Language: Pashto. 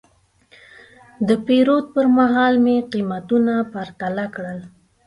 د پیرود پر مهال مې قیمتونه پرتله کړل.